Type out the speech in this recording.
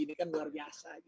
ini kan luar biasa